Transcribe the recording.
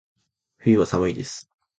冬は、寒いです。